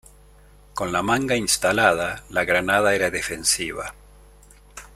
Con la manga instalada, la granada era "defensiva".